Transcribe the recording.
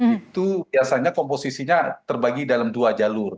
itu biasanya komposisinya terbagi dalam dua jalur